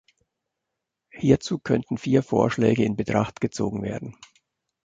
Hierzu könnten vier Vorschläge in Betracht gezogen werden.